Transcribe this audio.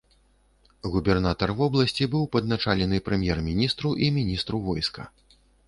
Губернатар вобласці быў падначалены прэм'ер-міністру і міністру войска.